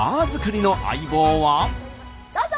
どうぞ！